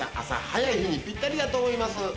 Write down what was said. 朝早い日にぴったりだと思います。